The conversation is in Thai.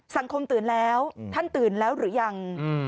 สังคมตื่นแล้วท่านตื่นแล้วหรือยัง